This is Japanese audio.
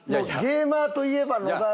ゲーマーといえば野田。